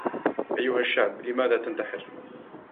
أيها الشعب لماذا تنتحر